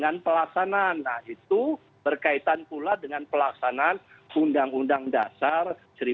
nah itu berkaitan pula dengan pelaksanaan undang undang dasar seribu sembilan ratus empat puluh lima